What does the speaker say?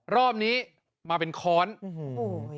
รอบนี้มาเป็นค้อนโอ้โห